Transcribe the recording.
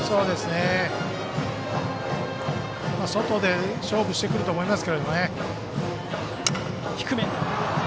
外で勝負してくると思います。